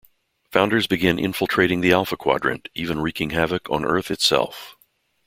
Founders began infiltrating the Alpha Quadrant, even wreaking havoc on Earth itself.